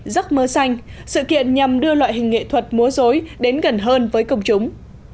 giấc mơ xanh sự kiện nhằm đưa loại hình nghệ thuật múa dối đến gần hơn với công chúng